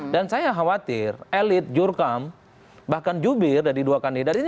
dan saya khawatir elit jurkam bahkan jubir dari dua kandidat ini